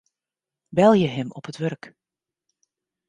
Belje him op it wurk.